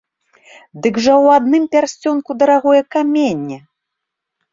Дык жа ў адным пярсцёнку дарагое каменне!